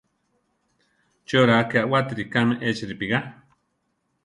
Chi oraa ké awátiri kame echi ripigá?